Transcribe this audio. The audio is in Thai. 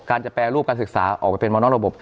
จะแปรรูปการศึกษาออกไปเป็นมนอกระบบ